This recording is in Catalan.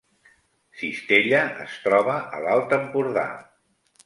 Cistella es troba a l’Alt Empordà